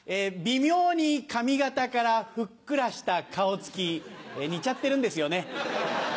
微妙に髪形からふっくらした顔つき似ちゃってるんですよね。